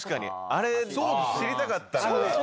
あれ、知りたかった